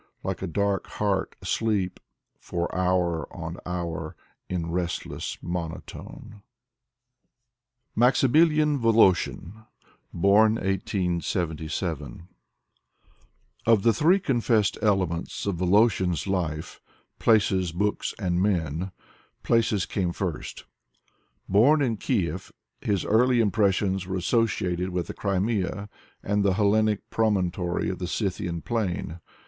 Like a dark heart asleep, — for hour On hour in restless monotone. Maximilian Voloshin (Born 1877) Of the three confessed elements of Yoloshin's life: places, books, and men, places came first. Born in Kief, his early impressions were associated with the Crimea, the Hellenic promontory of the Scythian plain.